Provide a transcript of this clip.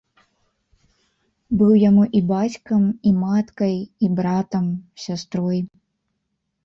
Быў яму і бацькам, і маткай, і братам, сястрой.